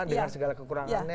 dengan segala kekurangannya